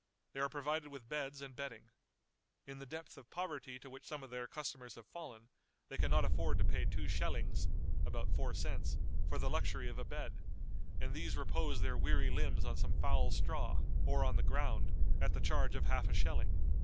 They are provided with beds and bedding. In the depth of poverty to which some of their customers have fallen, they can not afford to pay two schellings (about four cents) for the luxury of a bed, and these repose their weary limbs on some foul straw, or on the ground, at the charge of half a schelling.